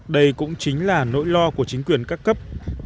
đây cũng chính là nỗi lo của chính quyền các cấp